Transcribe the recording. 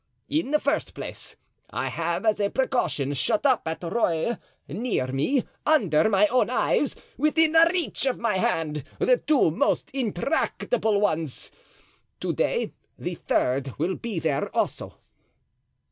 In the first place I have as a precaution shut up at Rueil, near me, under my own eyes, within reach of my hand, the two most intractable ones. To day the third will be there also."